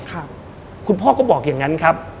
คุณพ่อก็บอกอย่างนั้นครับ